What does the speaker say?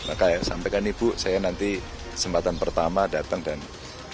makanya sampaikan ibu saya nanti kesempatan pertama datang dan datang